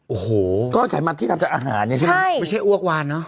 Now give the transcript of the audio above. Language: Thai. โอ้โหก้อนไขมันที่ทำจากอาหารเนี่ยใช่ไหมใช่ไม่ใช่อ้วกวานเนอะ